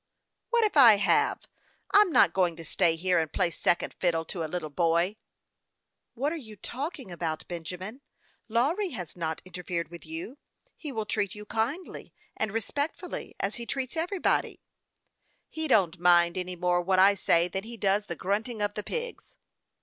" What if I have ! I'm not going to stay here, and play second fiddle to a little boy." 152 HASTE AND WASTE, OR " What are you talking about, Benjamin ? Lawry has not interfered with you. He will treat you kindly and respectfully, as he treats everybody." " He don't mind any more what I say than he does the grunting of the pigs."